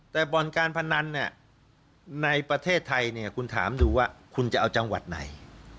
แต่บ่อนการพนันในประเทศไทยเนี่ยคุณถามดูว่าคุณจะเอาจังหวัดไหน